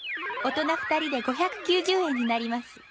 大人２人で５９０円になります